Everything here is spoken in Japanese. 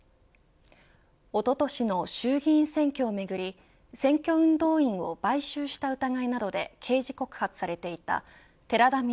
おととしの衆議院選挙をめぐり選挙運動員を買収した疑いなどで刑事告発されていた寺田稔